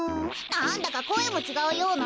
なんだかこえもちがうような。